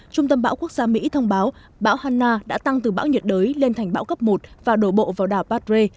trung tâm bão quốc gia mỹ thông báo bão hanna đã tăng từ bão nhiệt đới lên thành bão cấp một và đổ bộ vào đảo patre